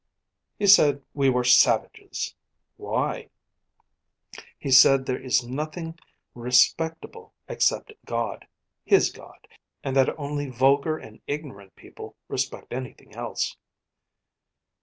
'He said we were savages.' 'Why?' 'He said there is nothing respectable except God his God and that only vulgar and ignorant people respect anything else.'